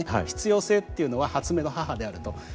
必要性っていうのは発明の母であると。